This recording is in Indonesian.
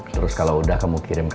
terus kalau udah kamu kirim ke